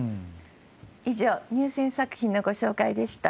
以上入選作品のご紹介でした。